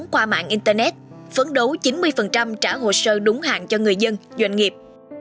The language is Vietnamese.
qua mạng internet phấn đấu chín mươi trả hồ sơ đúng hàng cho người dân doanh nghiệp